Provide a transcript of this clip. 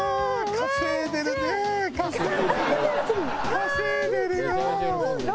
稼いでるよ。